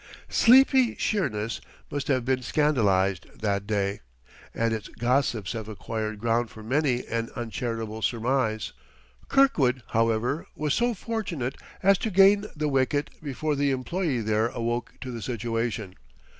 Sleepy Sheerness must have been scandalized, that day, and its gossips have acquired ground for many, an uncharitable surmise. Kirkwood, however, was so fortunate as to gain the wicket before the employee there awoke to the situation.